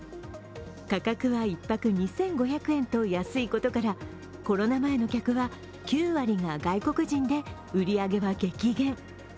価格は１泊２５００円と安いことからコロナ前の客は９割が外国人で、売り上げは激減。